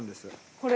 これ？